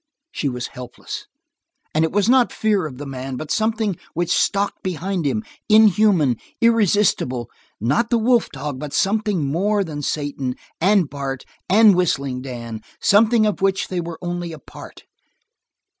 She was helpless, and it was not fear of the man, but of something which stalked behind him, inhuman, irresistible; not the wolf dog, but something more than Satan, and Bart, and Whistling Dan, something of which they were only a part.